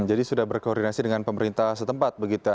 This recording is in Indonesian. jadi sudah berkoordinasi dengan pemerintah setempat begitu